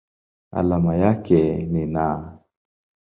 Alama yake ni Na.